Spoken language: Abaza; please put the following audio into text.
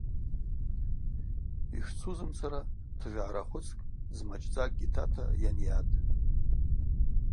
Йшцузымцара тыжгӏара хвыцкӏ дзмачӏдзакӏгьи тата йанйатӏ.